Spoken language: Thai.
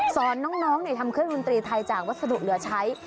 สอนน้องทำเครื่องดนตรีไทยจากวัสดุเหลือใช้